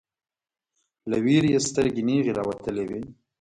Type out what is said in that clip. له ویرې یې سترګې نیغې راوتلې وې